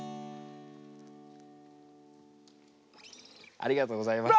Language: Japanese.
ありがとうございます。